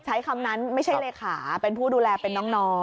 ใช้คำนั้นไม่ใช่เลขาเป็นผู้ดูแลเป็นน้อง